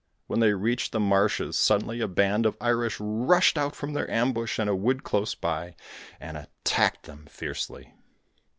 When they reached the marshes, suddenly a band of Irish rushed out from their ambush in a wood close by, and attacked them fiercely.